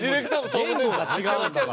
言語が違うんだから。